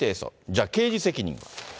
じゃあ刑事責任は。